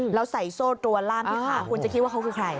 แล้วใส่โซ่ตรวนล่ามที่ขาคุณจะคิดว่าเขาคือใคร